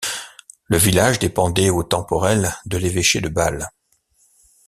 Le village dépendait au temporel de l'Évêché de Bâle.